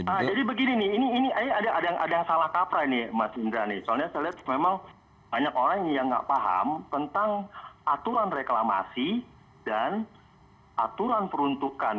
soalnya saya lihat memang banyak orang yang nggak paham tentang aturan reklamasi dan aturan peruntukan